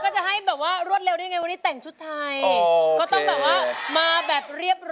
ใช่ครับ